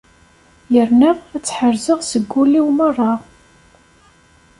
Yerna ad tt-ḥerzeɣ seg wul-iw merra.